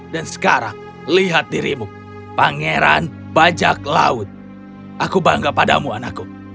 dan sekarang lihat dirimu pangeran bajak laut aku bangga padamu anakku